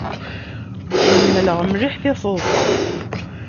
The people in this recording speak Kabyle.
Ḥemmleɣ mliḥ tiseḍṣa.